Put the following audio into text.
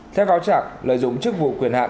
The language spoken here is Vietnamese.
theo cáo trạng lợi dụng chức vụ quyền hạn